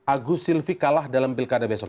agus silvi kalah dalam pilkada besok